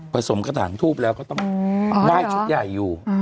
สมกระถางทูบแล้วก็ต้องไหว้ชุดใหญ่อยู่